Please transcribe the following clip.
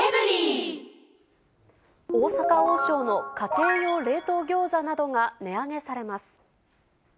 大阪王将の家庭用冷凍ギョーザなどが値上げされます。